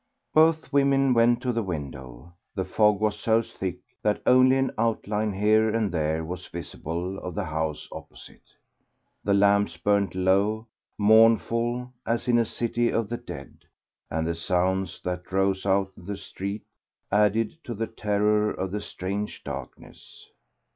Both women went to the window. The fog was so thick that only an outline here and there was visible of the houses opposite. The lamps burnt low, mournful, as in a city of the dead, and the sounds that rose out of the street added to the terror of the strange darkness.